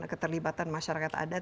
keterlibatan masyarakat adat